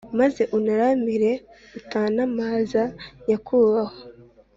Maze untaramire utantamaza nyakubahwa?